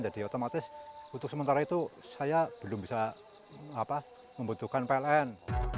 jadi otomatis untuk sementara itu saya belum bisa membutuhkan pln